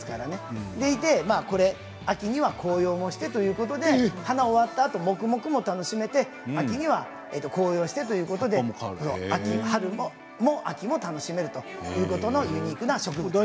それでいて秋には紅葉もしてということで花が終わったあと、もくもくも楽しめて、秋には紅葉もしてということで春も秋も楽しめるということでユニークな植物です。